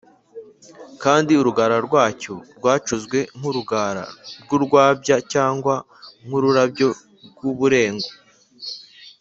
kandi urugara rwacyo rwacuzwe nk’urugara rw’urwabya cyangwa nk’ururabyo rw’uburengo